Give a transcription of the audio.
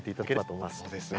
そうですね。